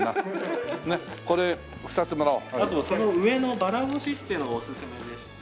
あとその上のばらぼしっていうのがおすすめでして。